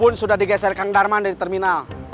pun sudah digeser kang darman dari terminal